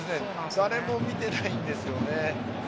誰も見ていないんですよね。